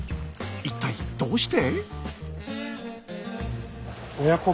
一体どうして？